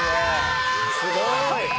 ・すごい！